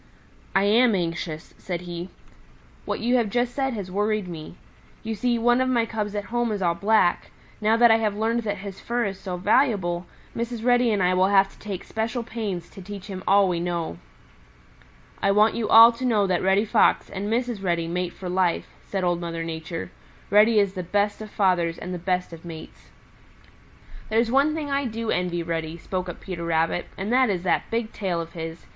"I am anxious," said he. "What you have just said has worried me. You see, one of my cubs at home is all black. Now that I have learned that his fur is so valuable, Mrs. Reddy and I will have to take special pains to teach him all we know." "I want you all to know that Reddy Fox and Mrs. Reddy mate for life," said Old Mother Nature. "Reddy is the best of fathers and the best of mates." "There's one thing I do envy Reddy," spoke up Peter Rabbit, "and that is that big tail of his.